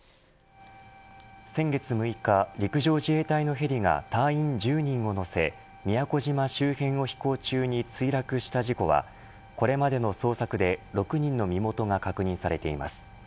先月６日、陸上自衛隊のヘリが隊員１０人を乗せ宮古島周辺を飛行中に墜落した事故はこれまでの捜索で６人の身元が確認されています。